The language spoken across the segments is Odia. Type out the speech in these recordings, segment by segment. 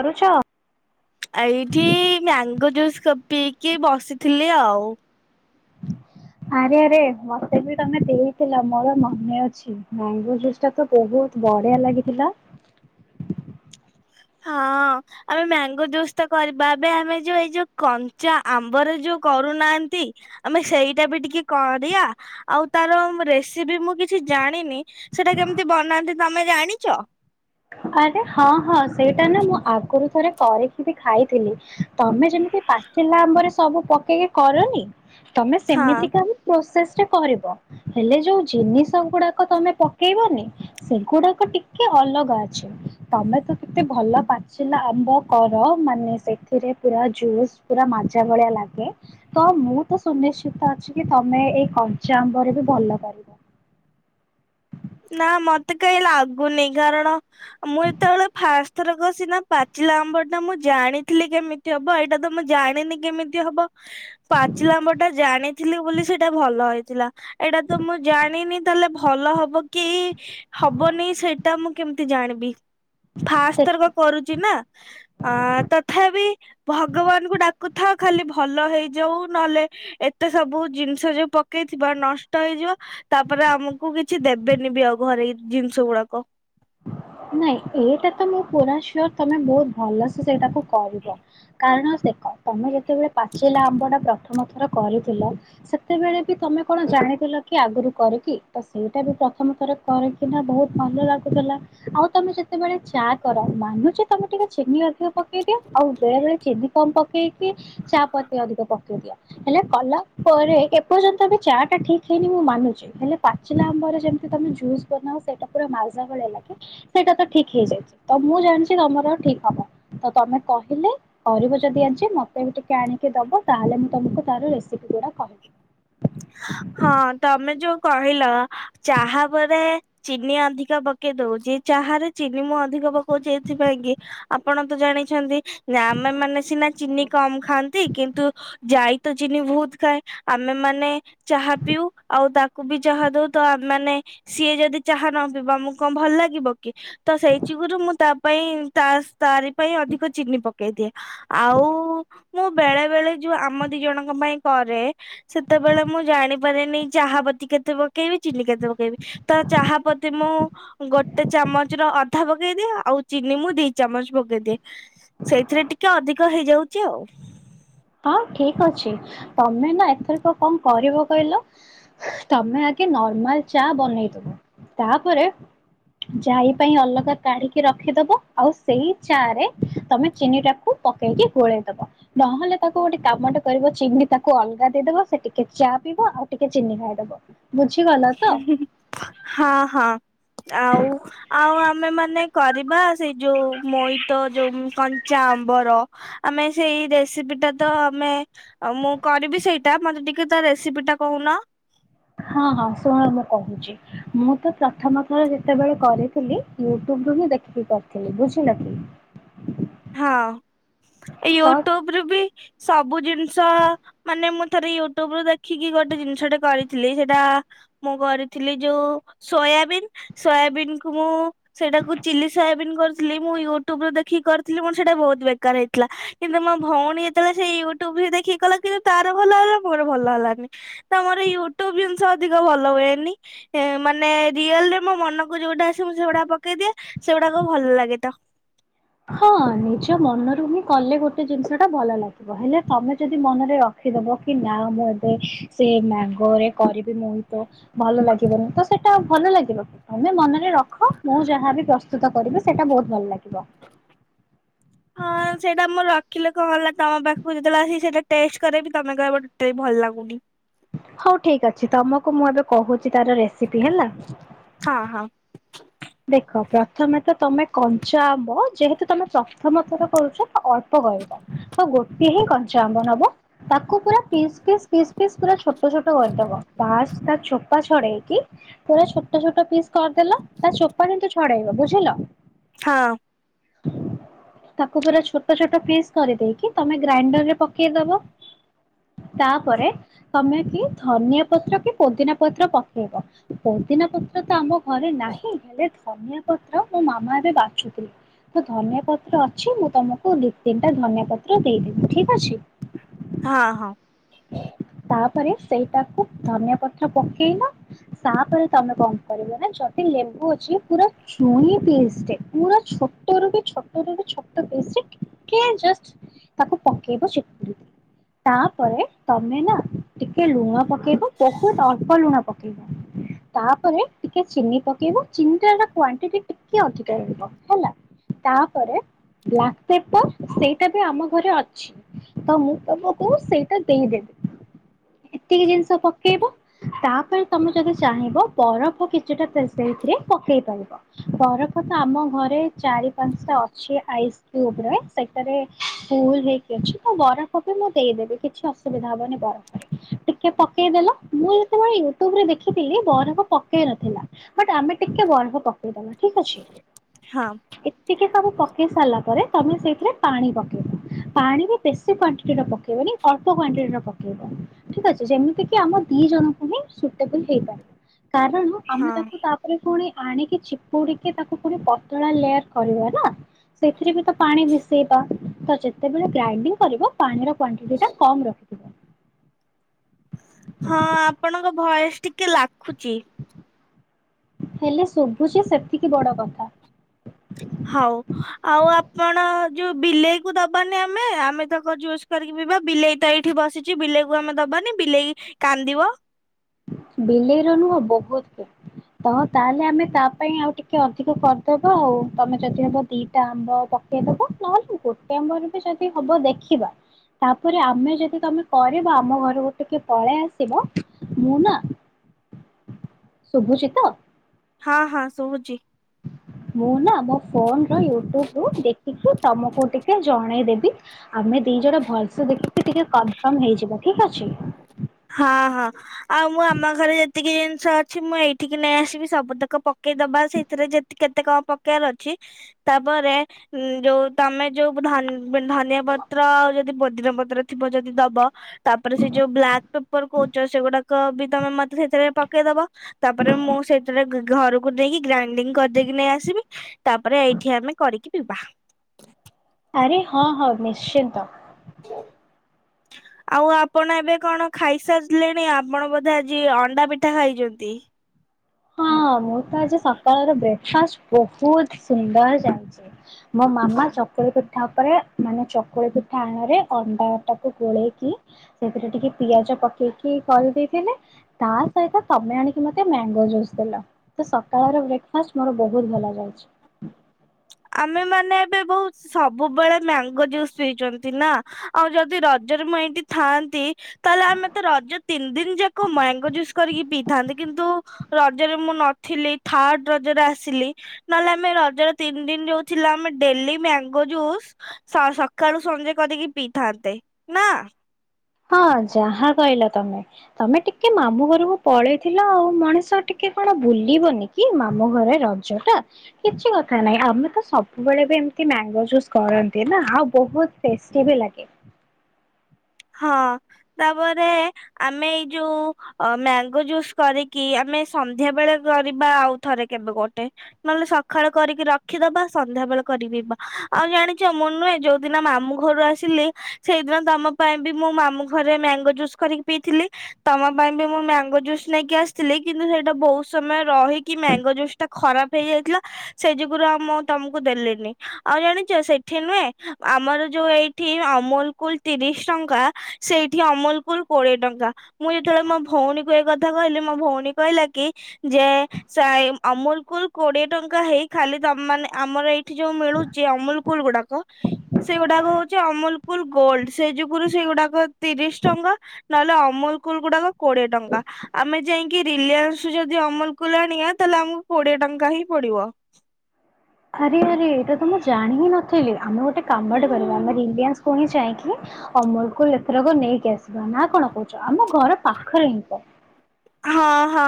କରୁଛ? ଏଇଠି ମ୍ୟାଙ୍ଗୋ ଜୁସ୍ କ ପିଇକି ବସିଥିଲି ଆଉ। ଆରେ ଆରେ ମତେ ବି ତମେ ଦେଇଥିଲ ମୋର ମନେ ଅଛି ମ୍ୟାଙ୍ଗୋ ଜୁସ। ସେଟା ତ ବହୁତ୍ ବଢିଆ ଲାଗିଥିଲା। ହଁ। ଆମେ ମ୍ୟାଙ୍ଗୋ ଜୁସ୍ ତ କରିବା ଏବେ ଆମେ ଯୋଉ ଏଇ ଯୋଉ କଞ୍ଚା ଆମ୍ବରେ ଯୋଉ କରୁନାହାନ୍ତି। ଆମେ ସେଇଟା ବି ଟିକେ କରିଆ। ଆଉ ତାର ରେସିପି ମୁଁ କିଛି ଜାଣିନି ସେଟା କେମିତି ବନାନ୍ତି ତମେ ଜାଣିଛ‌। ଆରେ ହଁ ହଁ ସେଇଟା ନା ମୁଁ ଆଗରୁ ଥରେ କରିକି ବି ଖାଇଥିଲି। ତମେ ଯେମିତି ପାଚିଲା ଆମ୍ବରେ ସବୁ ପକେଇକି କରନି ତମେ ହଁ ସେମିତି କାମ ପ୍ରୋସେସ୍‌ରେ କରିବ ହେଲେ ଯୋଉ ଜିନିଷ ଗୁଡାକ ତମେ ପକେଇବନି। ସେଗୁଡାକ ଟିକେ ଅଲଗା। ତମେ ତ କେତେ ଭଲ ପାଚିଲା ଆମ୍ବ କର ମାନେ ସେଥିରେ ପୁରା ଜୁସ୍। ପୁରା ମାଜା ଭଳିଆ ଲାଗେ। ତ ମୁଁ ତ ସୁନିଶ୍ଚିତ ଅଛି କି ତମେ ଏଇ କଞ୍ଚା ଆମ୍ବ ରେ ବି ଭଲ କରିବ‌। ନା ମତେ କାହିଁ ଲାଗୁନି କାରଣ ମୁଁ ହେତେବେଳେ ଫାଷ୍ଟ ଥର କ ସିନା ପାଚିଲା ଆମ୍ବର ଟା ମୁଁ ଜାଣିଥିଲି କେମିତି ହବ ଏଇଟା ତ ମୁଁ ଜାଣିନି କେମିତି ହବ। ପାଚିଲା ଆମ୍ବ ଟା ଜାଣିଥିଲି ବୋଲି ସେଇଟା ଭଲ ହେଇଥିଲା। ଏଇଟା ତ ମୁଁ ଜାଣିନି ତାହେଲେ ଭଲ ହବ। କି ହବନି ସେଇଟା ମୁଁ କେମିତି ଜାଣିବି? ଫାଷ୍ଟ ଦେଖ ତରକ କରୁଚି ନା। ଆ ତଥାପି ଭଗବାନଙ୍କୁ ଡାକୁଥା। ଖାଲି ଭଲ ହେଇଯାଉ ନହେଲେ ଏତେ ସବୁ ଜିନିଷ ଯୋଉ ପକେଇଥିବା ନଷ୍ଟ ହେଇଯିବ। ତାପରେ ଆମକୁ କିଛି ଦେବେନି ବି ଆଉ ଘରେ ଏଇ ଜିନିଷ ଗୁଡାକ। ନାଇଁ ଏଇଟା ତ ମୁଁ ପୁରା ସିଓର ତମେ ବହୁତ୍ ଭଲସେ ସେଇଟାକୁ କରିବ। କାରଣ ସେ କ ତମେ ଯେତେବେଳେ ପାଚିଲା ଆମ୍ବ ଟା ପ୍ରଥମ ଥର କରିଥିଲ। ସେତେବେଳେ ବି ତମେ କଣ ଜାଣିଥିଲ କି ଆଗରୁ କରିକି ତ ସେଇଟା ବି ପ୍ରଥମ ଥର। କରକିନା ବହୁତ୍ ଭଲ ଲାଗୁଥିଲା। ଆଉ ତମେ ଯେତେବେଳେ ଚା କର ମାନୁଚି ତମେ ଟିକେ ଚିନି ଅଧିକ ପକେଇ ଦିଅ ଆଉ ବେଳେ ବେଳେ ଚିନି କମ୍ ପକେଇକି ଚା ପତି ଅଧିକ ପକେଇ ଦିଅ। ହେଲେ କଲା ପରେ ଏପର୍ଯ୍ୟନ୍ତ ବି ଚା ଟା ଠିକ୍ ହେଇନି ମୁଁ ମାନୁଚି। ହେଲେ ପାଚିଲା ଆମ୍ବରେ ଯେମିତି ତମେ ଜୁସ୍ ବନାଅ ସେଇଟା ପୁରା ମାଲଜା ଭଳିଆ ଲାଗେ। ସେଇଟା ତ ଠିକ୍ ହେଇଯାଇଚି ତ ମୁଁ ଜାଣିଛି ତମର ଠିକ୍ ହବ ତ ତମେ କହିଲେ କରିବ ଯଦି ଆଜି ମୋତେ ବି ଟିକେ ଆଣିକି ଦବ ତାହେଲେ ମୁଁ ତମକୁ ତାର ରେସିପି ଗୁଡା କହିବି। ହଁ ତମେ ଯୋଉ କହିଲ ଚାହା ପରେ। ଚିନି ଅଧିକ ପକେଇ ଦଉଚି ଚାହାରେ ଚିନି ମୁଁ ଅଧିକ ପକଉଚି ଏଇଥି ପାଇଁ କି। ଆପଣ ତ ଜାଣିଛନ୍ତି ନା ଆମେ ମାନେ ସିନା ଚିନି କମ୍ ଖାଆନ୍ତି କିନ୍ତୁ ଯାଇ ତ ଚିନି ବହୁତ୍ ଖାଏ ଆମେ ମାନେ ଚାହା ପିଉ ଆଉ ତାକୁ ବି ଯାହା ଦଉ ତ ଆମେ ମାନେ--‌ ସିଏ ଯଦି ଚାହା ନ ପିଇବ ଆମକୁ କଣ ଭଲ ଲାଗିବ। ତ ସେଇ ଯୁଗୁରୁ ମୁଁ ତା ପାଇଁ ତା ତାରି ପାଇଁ ଅଧିକ ଚିନି ପ କେଇଦିଏ ଆଉ ମୁଁ ବେଳେ ବେଳେ ଯୋଉ ଆମ ଦି ଜଣଙ୍କ ପାଇଁ କରେ ସେତେବେଳେ ମୁଁ ଜାଣି ପାରେନି ଚାହାପତି କେତେ ପକେଇବି ଚିନି କେତେ ପକେଇବି ତ ଚାହାପତି ମୁଁ ଗୋଟେ ଚାମଚ ର ଅଧା ପକେଇଦିଏ ଆଉ ଚିନି ମୁଁ ଦି ଚାମଚ ପକେଇଦିଏ। ସେଇଥିରେ ଟିକେ ଅଧିକ ହେଇଯାଉଛି ଆଉ। ହଁ ଠିକ୍ ଅଛି ତମେ ନା ଏଥରକ କଣ କରିବ କହିଲ ତମେ ଆଗେ ନର୍ମାଲ ଚା ବନେଇଦବ ତାପରେ ଜାଇ ପାଇଁ ଅଲଗା କାଢିକି ରଖିଦବ ଆଉ ସେଇ ଚା ରେ ତମେ ଚିନି ଟାକୁ ପକେଇକି ଗୋଳେଇ ଦବ ନହେଲେ ତାକୁ ଗୋଟେ କାମଟେ କରିବ ଚିନି ତାକୁ ଅଲଗା ଦେଇଦବ ସେ ଟିକେ ଚା ପିବ ଆଉ ଟିକେ ଚିନି ଖାଇଦବ। ବୁଝିଗଲ ତ? ହଁ ହଁ ଆଉ ଆଉ ଆମେ ମାନେ କରିବା ସେଇ ଯୋଉ ମଇତ ଯୋଉ କଞ୍ଚା ଆମ୍ବର ଆମେ ସେଇ ରେସ୍ ସିପି ଟା ତ ଆମେ ମୁଁ କରିବି ସେଇଟା, ମୋତେ ଟିକେ ତା ରେସିପି ଟା କହୁନ। ହଁ, ହଁ ଶୁଣ ମୁଁ କହୁଛି। ମୁଁ ତ ପ୍ରଥମ ଥର ଯେତେବେଳେ କରିଥିଲି ୟୁଟ୍ୟୁବ ରୁ ହିଁ ଦେଖିକି କରିଥିଲି ବୁଝିଲା କି। ହଁ ତ ୟୁଟ୍ୟୁବ ରୁ ବି ସବୁ ଜିନିଷ ମାନେ ମୁଁ ଥରେ ୟୁଟ୍ୟୁବ ରୁ ଦେଖିକି ଗୋଟେ ଜିନିଷ ଟେ କରିଥିଲି ସେଟା ମୁଁ କରିଥିଲି ଯୋଉ ସୋୟାବିିନ୍, ସୋୟାବିନ୍ କୁ ମୁଁ ସେଇଟାକୁ ଚିଲି ସୟାବିନ୍ କରିଥିଲି ମୁଁ ୟୁଟ୍ୟୁବ ରୁ ଦେଖିକି କର ଥିଲି ମୋର ସେଇଟା ବହୁତ ବେକାର ହେଇଥିଲା। କିନ୍ତୁ ମୋ ଭଉଣୀ ଯେତେବେଳେ ସେ ୟୁଟ୍ୟୁବ ହି ଦେଖିକି କଲା କିନ୍ତୁ ତାର ଭଲ ହେଲା, ମୋର ଭଲ ହେଲାନି। ତ ମୋର ୟୁଟ୍ୟୁବ ଜିନିଷ ଅଧିକ ଭଲ ହୁଏନି। ଏ ମାନେ ରିଅଲ୍ ରେ ମୋ ମନକୁ ଯୋଉଟା ଆସେ ମୁଁ ସେଉଡା ପକେଇ ଦିଏ, ସେଉଡାକ ଭଲ ଲାଗେ ତ। ହଁ ନିଜ ମନରୁ ହିଁ କଲେ ଗୋଟେ ଜିନିଷ ଟା ଭଲ ଲାଗିବ। ହେଲେ ତୋମେ ଯଦି ମନରେ ରଖିଦବ କି ନା ମୁଁ ଏବେ ସେ ମ୍ୟାଗରେ କରିବି ମୁଇଁ ତ ଭଲ ଲାଗିବନି, ତ ସେଟା ଭଲ ଲାଗିବ। ତୋମେ ମନରେ ର ଖ ମୁଁ ଯାହାବି ପ୍ରସ୍ତୁତ କରିବି ସେଟା ବହୁତ ଭଲ ଲାଗିବ। ହଁ ସେଇଟା ମୁଁ ରଖିଲେ କଣ ହେଲା ତୋମ ପାଖକୁ ଯେତେବେଳେ ଆସି ସେଟା ଟେଷ୍ଟ କରେଇବି। ତୋମେ କହିବ ତେ ବି ଭଲ ଲାଗୁନି। ହଉ ଠିକ ଅଛି, ତୋମକୁ ମୁଁ ଏବେ କହୁଚି ତାର ରେସିପି ହେଲା। ହଁ, ହଁ। ଦେଖ ପ୍ରଥମେ ତ ତୋମେ କଞ୍ଚା ଆମ୍ବ ଯେହେତୁ ତୋମେ ପ୍ରଥମ ଥର କରୁଛ ତ ଅଳ୍ପ କରିବା ତ ଗୋଟିଏ ହିଁ କଞ୍ଚା ଆମ୍ବ ନବ। ତାକୁ ପୁରା ପିସ୍ ପିସ୍ ପିସ ପିସ୍ ପୁରା ଛୋଟ ଛୋଟ କରିଦବ [unintelligible] ଚୋ ପା ଛଡ଼େଇକି ପୁରା ଛୋଟ ଛୋଟ ପିସ୍ କରିଦେଲ। ତା ଚୋପା କିନ୍ତୁ ଛଡେଇବ ବୁଝିଲ। ହଁ। ତାକୁ ପୁରା ଛୋଟ ଛୋଟ ପିସ୍ କରିଦେଇକି, ତୋମେ ଗ୍ରାଇଣ୍ଡର ରେ ପକେଇଦବ। ତାପରେ ତୋମେ କି ଧନିଆ ପତ୍ର କି ପୋଦିନା ପତ୍ର ପକେଇବ। ପୋଦିନା ପତ୍ର ତ ଆମ ଘରେ ନାହିଁ, ହେଲେ ଧନିଆ ପତ୍ର ମୋ ମାମା ଏବେ ବାଛୁଥିଲେ। ତ ଧନିଆ ପତ୍ର ଅଛି, ମୁଁ ତୋମକୁ ଦି ତିନିଟା ଧନିଆ ପତ୍ର ଦେଇଦେବି ଠିକ ଅଛି। ହଁ, ହଁ। ତାପରେ ସେଇଟାକୁ ଧନିଆ ପତ୍ର ପକେଇଲ। ତାପରେ ତୋମେ କଣ କରିବ ନା ଯଦି ଲେମ୍ବୁ ଅଛି ପୁରା ଛୁଇଁ ପିସ୍ ଟେ ପୁରା ଛୋଟ ରୁ ବି ଛୋଟ ରୁ ବି ଛୋଟ ପିସ୍ ରେ କେ ଜଷ୍ଟ୍ ତାକୁ ପକେଇବ ଚିପୁଡ଼ିକି। ତାପରେ ତୋମେ ନା ଟିକେ ଲୁଣ ପକେଇବ, ବହୁତ ଅଳ୍ପ ଲୁଣ ପକେଇବ। ତାପରେ ଟିକେ ଚିନି ପକେଇବ। ଚିନିଟା ସେଟା କ୍ୱାଣ୍ଟିଟି ଟିକେ ଅଧିକ ରହିବ ହେଲା। ତାପରେ ବ୍ଲାକ୍ ପେପର୍ ସେଇଟା ବି ଆମ ଘରେ ଅଛି। ତ ମୁଁ ତୋମକୁ ସେଇଟା ଦେଇଦେବି। ଏତିକି ଜିନିଷ ପକେଇବ। ତାପରେ ତୋମେ ଯଦି ଚାହିଁବ ବରଫ କିଛିଟା ସେ ସେଇଥିରେ ପକେଇ ପାରିବ। ବରଫ ତ ଆମ ଘରେ ଚାରି ପାନ୍ସଟା ଅଛି ଆଇସ୍ କ୍ୟୁବ୍ ରେ। ସେଇଟାରେ ଫୁଲ୍ ହେଇକି ଅଛି, ତ ବରଫ ବି ମୁଁ ଦେଇଦେବି କିଛି ଅସୁବିଧା ହବନି ବରଫ ପାଇଁ। ଟିକେ ପକେଇଦେଲ, ମୁଁ ଯେତେବେଳେ ୟୁଟ୍ୟୁବରେ ଦେଖିଥିଲି ବରଫ ପକେଇ ନଥିଲା। ବଟ୍ ଆମେ ଟିକେ ବରଫ ପକେଇ ଦବା ଠିକ ଅଛି। ହଁ। ଏତିକି ସବୁ ବୁ ପକେଇ ସାଲା ପରେ ତୋମେ ସେଇଥିରେ ପାଣି ପକେଇବ। ପାଣି ବି ବେଶୀ କ୍ୱାଣ୍ଟିଟିର ପକେଇବନି। ଅଳ୍ପ କ୍ୱାଣ୍ଟିଟିର ପକେଇବା ଠିକ ଅଛି ଯେମିତିକି ଆମ ଦି ଜଣଙ୍କୁ ହିଁ ସୁଇଟେବୁଲ୍ ହେଇପାରିବ। କାରଣ ଆମେ ହଁ ତାକୁ ତା ତାପରେ ପୁଣି ଆଣିକି ଚିପୁଡିକି ତାକୁ ପୁଣି ପତଳା ଲେୟାର କରିବା ନା। ସେଥିରେ ବି ତ ପାଣି ମିଶେଇବା ତ ଯେତେବେଳେ ଗ୍ରାଇଣ୍ଡିଙ୍ଗ କରିବ ପାଣିର କ୍ୱାଣ୍ଟିଟିଟା କମ ରଖିଥିବ। ହଁ ଆପଣଙ୍କ ଭଏସ ଟିକେ ଲାଖୁଛି। ହେଲେ ଶୁଭୁଛି ସେତିକି ବଡ କଥା। ହଉ। ଆଉ ଆପଣ ଯୋଉ ବିଲେଇକୁ ଦବାନି ଆମେ ଆମେ ତକ ଜୁସ୍ କରିକି ପିଇବା ବିଲେଇ ତ ଏଇଠି ବସି ଚି ବିଲେଇକୁ ଆମେ ଦବାନି ବିଲେଇ କାନ୍ଦିବ। ବିଲେଇର ନୁହଁ ବହୁତ କୋ ତ ତାହେଲେ ଆମେ ତା ପାଇଁ ଆଉ ଟିକେ ଅଧିକ କରିଦବା ଆଉ ତମେ ଯଦି ହବ ଦିଟା ଆମ୍ବ ପ କେଇଦବ ନହେଲେ ଗୋଟେ ଆମ୍ବରେ ବି ଯଦି ହବ ଦେଖିବା। ତାପରେ ଆମେ ଯଦି ତମେ କରିବ ଆମ ଘରକୁ ଟିକେ ପଳେଇ ଆସିବ ମୁଁ ନା ଶୁଭୁଛି ତ ହଁ ହଁ ଶୁଭୁଛି। ମୁଁ ନା ମୋ ଫୋନର ୟୁଟ୍ୟୁବରୁ ଦେଖିକି ତମକୁ ଟିକେ ଜଣେଇଦେବି ଆମେ ଦି ଜଣ ଭଲସେ ଦେଖିକି ଟିକେ କନଫର୍ମ ହେଇଯିବା ଠିକ ଅଛି। ହଁ ହଁ। ଆଉ ମୁଁ ଆମ ଘରେ ଯେତିକି ଜିନିଷ ଅଛି ମୁଁ ଏଇଠିକି ନେଇ ଆସିବି ସବୁତକ ପକେଇଦବା ସେଇଥିରେ ଯେ କେତେ କଣ ପକେଇବାର ଅଛି ତାପରେ ଉଁ ଯୋଉ ତମେ ଯୋଉ ଧନ୍ ଧନିଆ ପତ୍ର ଆଉ ଯଦି ପୋଦିନା ପତ୍ର ଥିବ ଯଦି ଦବ। ତାପରେ ସେ ଯୋଉ ବ୍ଲାକ୍ ପେପର କହୁଚ ସେଗୁଡାକ ବି ତମେ ମତେ ସେଥିରେ ପକେଇଦବ। ତାପରେ ମୁଁ ସେଇଥିରେ ଘ ଘରକୁ ନେଇକି ଗ୍ରାଇଣ୍ଡିଙ୍ଗ କରିଦେଇକି ନେଇ ଆସିବି। ତାପରେ ଏଇଠି ଆମେ କରିକି ପିଇବା। ଆରେ ହଁ ହଁ ନିଶ୍ଚିନ୍ତ। ଦ ଆଉ ଆପଣ ଏବେ କଣ ଖାଇସାରିଲେଣି ଆପଣ ବୋଧେ ଆଜି ଅଣ୍ଡା ପିଠା ଖାଇଚନ୍ତି। ହଁ ମୁଁ ତ ଆଜି ସକାଳର ବ୍ରେକଫାଷ୍ଟ ବହୁତ ସୁନ୍ଦର ଜାଣିଛି। ମୋ ମାମା ଚକୁଳି ପିଠା ଉପରେ ମାନେ ଚକୁଳି ପିଠା ଆଣ ରେ ଅଣ୍ଡାଟାକୁ ଗୋଳେଇକି ସେଥିରେ ଟିକେ ପିଆଜ ପକେଇକି କରିଦେଇଥିଲେ ତା ସହିତ ତମେ ଆଣିକି ମତେ ମ୍ୟାଙ୍ଗୋ ଜୁସ୍ ଦେଲ ତ ସକାଳର ବ୍ରେକଫାଷ୍ଟ ମୋର ବହୁତ ଭଲ ଯାଇଛି। ଆମେ ମାନେ ଏବେ ବହୁତ୍ ସବୁବେଳେ ମ୍ୟାଙ୍ଗୋ ଜୁସ୍ ପିଇଚନ୍ତି ନା ଆଉ ଯଦି ରଜରେ ମୁଁ ଏଇଠି ଥାଆନ୍ତି ତାହେଲେ ଆମେ ତ ରଜ ତିନି ଦିନ୍ ଯାକ ମ୍ୟାଙ୍ଗୋ ଜୁସ୍ କରିକି ପିଇଥାନ୍ତେ କିନ୍ତୁ ରଜରେ ମୁଁ ନଥିଲି ଥାର୍ଡ ରଜରେ ଆସିଲି ନହେଲେ ଆମେ ରଜରେ ଥିନ୍ ତିନି ଦିନି ଯୋଉ ଥିଲା ଆମେ ଡେଲି ମ୍ୟାଙ୍ଗୋ ଜୁସ୍ ସ ସକାଳୁ ସଞ୍ଜେ କରିକି ପିଇଥାନ୍ତେ ନା ହଁ ଯାହା କହିଲ ତମେ ତମେ ଟିକେ ମାମୁଁ ଘରକୁ ପଳେଇଥିଲ ଆଉ ମଣିଷ ଟିକେ କଣ ବୁଲିବନି। କି ମାମୁଁ ଘରେ ରଜ ଟା କିଛି କଥା ନାହିଁ ଆମେ ତ ସବୁବେଳେ ବି ଏମିତି ମ୍ୟାଙ୍ଗୋ ଜୁସ୍ କରନ୍ତି ନା ଆଉ ବହୁତ ଟେଷ୍ଟି ବି ଲାଗେ। ହଁ ତାପରେ ଆମେ ଏଇ ଯୋଉ ଅ ମ୍ୟାଙ୍ଗୋ ଜୁସ୍ କରିକି ଆମେ ସନ୍ଧ୍ୟା ବେଳେ କରିବା ଆଉ ଥରେ କେବେ ଗୋଟେ ନହେଲେ ସକାଳୁ କରିକି ରଖିଦବା ସନ୍ଧ୍ୟା ବେଳେ କରିି ପିଇବା ଆଉ ଜାଣିଛ ମୁଁ ନୁହେଁ ଯୋଉ ଦିନ ମାମୁଁ ଘରୁ ଆସିଲି ସେଇଦିନ ତମ ପାଇଁ ବି ମୁଁ ମାମୁଁ ଘରେ ମ୍ୟାଙ୍ଗୋ ଜୁସ୍ କରିକି ପିଇଥିଲି। ତମ ପାଇଁ ବି ମୁଁ ମ୍ୟାଙ୍ଗୋ ଜୁସ୍ ନେଇକି ଆସଥିଲି କିନ୍ତୁ ସେଇଟା ବହୁତ ସମୟ ରହିକି ମ୍ୟାଙ୍ଗୋ ଜୁସ୍ ଟା ଖରାପ ହେଇଯାଇଥିଲା। ସେଇ ଜୁଗୁରୁ ଆଉ ମୁଁ ତମକୁ ଦେଲିନି ଆଉ ଜାଣିଛ ସେଠି ନୁହେଁ ଆମର ଯୋଉ ଏଇ ଠି ଅମୂଲ୍ କୁଲ୍ ତିରିଶ ଟଙ୍କା ସେଇଠି ଅମୂଲ୍ କୁଲ୍ କୋଡିଏ ଟଙ୍କା। ମୁଁ ଯେତେବେଳେ ମୋ ଭଉଣୀ କୁ ଏ କଥା କହିଲି ମୋ ଭଉଣୀ କହିଲା କି ଯେ ସେ ଆମ୍ ଅମୂଲ୍ କୁଲ୍ କୋଡିଏ ଟଙ୍କା ହେଇ ଖାଲି ତମ୍ ମାନେ ଆମର ଏଇଠି ଯୋଉ ମିଳୁ ଛି ଅମୂଲ୍ କୁଲ୍ ଗୁଡାକ ସେଗୁଡାକ ହଉଛି ଅମୂଲ୍ କୁଲ୍ ଗୋଲ୍ଡ ସେ ଯୋଉ ପୁରୁ ସେ ଗୁଡାକ ତିରିଶ ଟଙ୍କା ନହେଲେ ଅମୂଲ୍ କୁଲ୍ ଗୁଡାକ କୋଡିଏ ଟଙ୍କା ଆମେ ଯାଇକି ରିଲାଏନ୍ସରୁ ଯଦି ଅମୂଲ୍ କୁଲ୍ ଆଣିବା ତାହେଲେ ଆମକୁ କୋଡିଏ ଟଙ୍କା ହିଁ ପଡିବ। ଆରେ ଆରେ ଏଇଟା ତ ମୁଁ ଜାଣି ହିଁ ନଥିଲି ଆମେ ଗୋଟେ କାମଟେ କରିବା ଆମର ରିଲାଏନ୍ସ ପୁଣି ଯାଇକି ଅମୂଲ୍ କୁଲ୍ ଏଥରକ ନେଇକି ଆସିବା ନା କଣ କହୁଛ? ଆମ ଘର ପାଖରେ ହିଁ ତ ହଁ ହଁ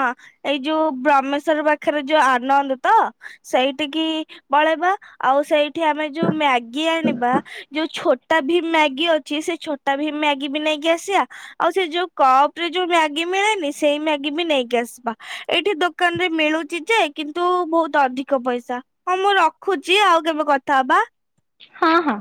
ଏଇ ଯୋଉ ବ୍ରହ୍ମେଶ୍ଵର ପାଖରେ ଯୋଉ ଆନନ୍ଦ ତ? ସେଇଠିକି ପଳେଇବା ଆଉ ସେଇଠି ଆମେ ଯୋଉ ମ୍ୟାଗି ଆଣିବା ଯୋଉ ଛୋଟା ଭିମ୍ ମ୍ୟାଗି ଅଛି ସେ ଛୋଟା ଭିମ୍ ମ୍ୟାଗି ବି ନେଇକି ଆସିବା। ଆଉ ସେ ଯୋଉ କପ୍ ରେ ଯୋଉ ମ୍ୟାଗି ମିଳେନି ସେଇ ମାଗି ବି ନେଇକି ଆସିବା ଏଇଠି ଦୋକାନ ରେ ମିଳୁଛି ଯେ କିନ୍ତୁ ବହୁତ ଅଧିକ ପଇସା। ହଁ ମୁଁ ରଖୁଛି ଆଉ କେବେ କଥା ହବା। ହଁ ହଁ।